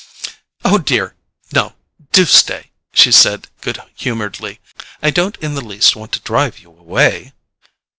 "Oh, dear, no—do stay," she said good humouredly. "I don't in the least want to drive you away."